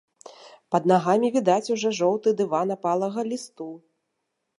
Пад нагамі відаць ужо жоўты дыван апалага лісту.